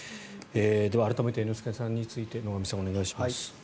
改めて猿之助さんについて野上さん、お願いします。